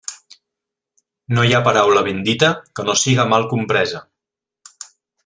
No hi ha paraula ben dita que no siga mal compresa.